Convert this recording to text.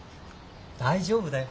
大丈夫だよ。